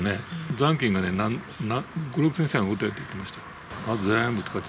残金がね、５、６０００円しか残ってないって言ってました。